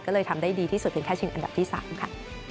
ก็เลยทำได้ดีที่สุดเพียงแค่ชิงอันดับที่๓ค่ะ